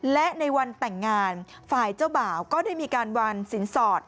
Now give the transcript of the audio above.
และในวันแต่งงานฝ่ายเจ้าบ่าวก็ได้มีการวางสินสอด